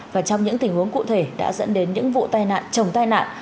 và trong những tình huống cụ thể đã dẫn đến những vụ tai nạn trồng tai nạn